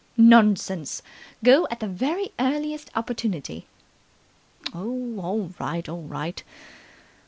"Nonsense. Go at the very earliest opportunity." "Oh, all right, all right, all right.